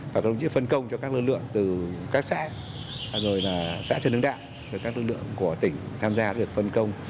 phát động diễn phân công cho các lực lượng từ các xã xã trần đức đạm các lực lượng của tỉnh tham gia được phân công